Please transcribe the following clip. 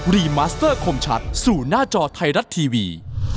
รีมาสเตอร์คมชัดสู่หน้าจอไทยรัฐทีวี